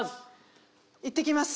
いってきます。